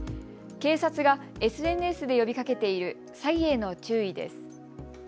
警察がＳＮＳで呼びかけている詐欺への注意です。